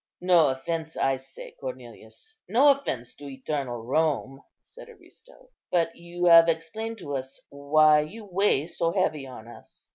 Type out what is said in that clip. "No offence, I say, Cornelius, no offence to eternal Rome," said Aristo, "but you have explained to us why you weigh so heavy on us.